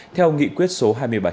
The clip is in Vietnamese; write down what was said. theo nghị quyết số hai mươi bảy